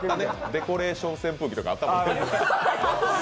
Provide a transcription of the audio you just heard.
デコレーション扇風機とかあったもんね。